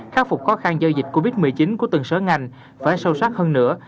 khắc phục khó khăn do dịch covid một mươi chín của từng sở ngành phải sâu sắc hơn nữa